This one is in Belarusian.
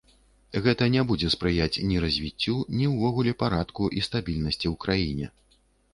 Гэта не будзе спрыяць ні развіццю, ні ўвогуле парадку і стабільнасці ў краіне.